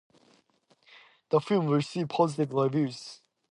The film received positive reviews.